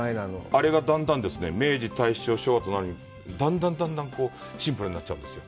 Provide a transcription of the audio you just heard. あれがだんだん、明治、大正、昭和になるにつれてだんだんだんだんシンプルになっちゃうんですよ。